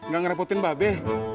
gak ngerepotin mbak be